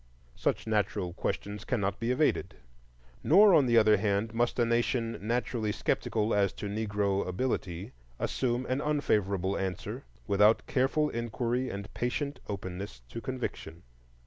Such natural questions cannot be evaded, nor on the other hand must a Nation naturally skeptical as to Negro ability assume an unfavorable answer without careful inquiry and patient openness to conviction.